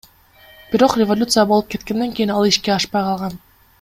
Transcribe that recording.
Бирок революция болуп кеткенден кийин ал ишке ашпай калган.